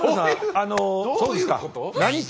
あのそうですか。